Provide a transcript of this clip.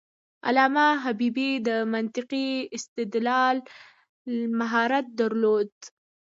علامه حبيبي د منطقي استدلال مهارت درلود.